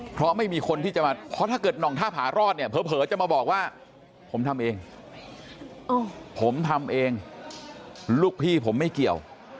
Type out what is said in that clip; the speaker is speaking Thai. เพราะถ้าเกิดนอกฆ่าผลารอดเนี่ยเผอจะมาบอกว่าผมทำเองผมทำเองลูกพี่ผมไม่เกี่ยว